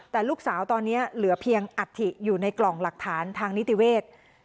แต่ลูกสาวตอนนี้เหลือเพียงอัฐิอยู่ในกล่องหลักฐานทางนิติเวทย์